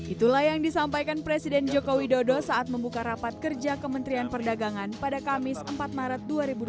itulah yang disampaikan presiden joko widodo saat membuka rapat kerja kementerian perdagangan pada kamis empat maret dua ribu dua puluh